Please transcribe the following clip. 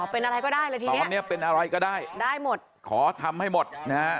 อ๋อเป็นอะไรก็ได้ละทีเนี้ยได้หมดอร์เป็นอะไรก็ได้ขอทำให้หมดนะ